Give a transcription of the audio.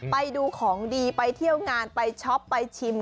ไปดูของดีไปเที่ยวงานไปช็อปไปชิม